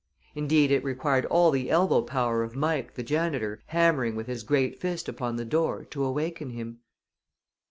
Indeed, it required all the elbow power of Mike, the janitor, hammering with his great fist upon the door, to awaken him.